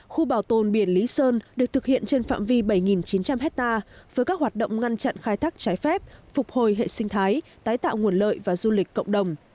khu bảo tồn biển lý sơn được thực hiện trên phạm vi bảy chín trăm linh hectare với các hoạt động ngăn chặn khai thác trái phép phục hồi hệ sinh thái tái tạo nguồn lợi và du lịch cộng đồng